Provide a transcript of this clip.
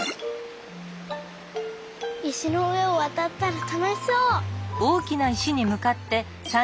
いしのうえをわたったらたのしそう！